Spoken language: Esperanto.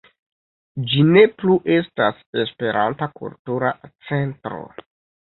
Ĝi ne plu estas "Esperanta Kultura Centro".